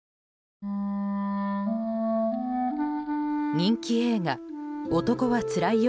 人気映画「男はつらいよ」